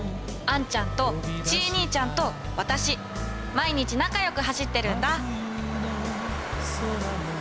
あんちゃんとチイ兄ちゃんと私毎日仲よく走ってるんだ。